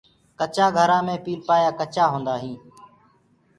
ڪچآ گھرآ مي پيلپآيآ ڪچآ هوندآ هينٚ۔